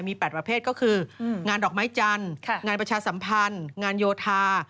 มี๘ประเภทก็คืองานดอกไม้จันทร์งานประชาสัมพันธ์งานโยธา